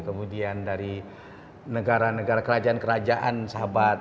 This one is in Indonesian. kemudian dari negara negara kerajaan kerajaan sahabat